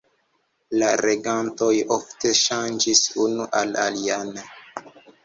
La regantoj ofte ŝanĝis unu la alian.